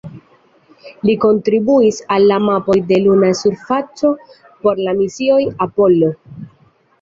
Li kontribuis al la mapoj de la luna surfaco por la misioj Apollo.